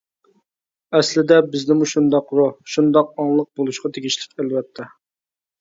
ئەسلىدە بىزدىمۇ شۇنداق روھ، شۇنداق ئاڭلىقلىق بولۇشقا تېگىشلىك، ئەلۋەتتە.